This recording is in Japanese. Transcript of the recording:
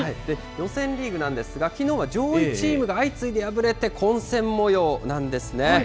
予選リーグなんですが、きのうは上位チームが相次いで敗れて混戦もようなんですね。